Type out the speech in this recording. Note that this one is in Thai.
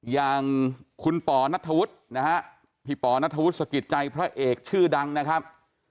อย่างคุณป่อนัทธวุฒินะฮะพี่ป๋อนัทธวุฒิสกิจใจพระเอกชื่อดังนะครับ